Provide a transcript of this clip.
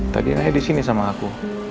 tadi naya disini sama aku